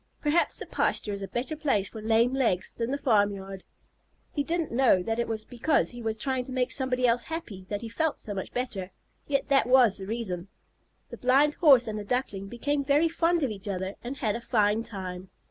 Perhaps the pasture is a better place for lame legs than the farmyard." He didn't know that it was because he was trying to make somebody else happy that he felt so much better, yet that was the reason. The Blind Horse and the Duckling became very fond of each other and had a fine time.